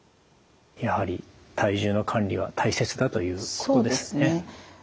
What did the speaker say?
やはり体重の管理は大切だということですね。